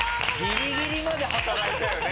ギリギリまで働いたよね。